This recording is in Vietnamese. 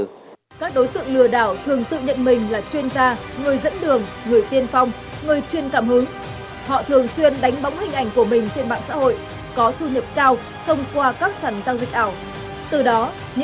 các đối tượng lừa đảo thường tự nhận mình là chuyên gia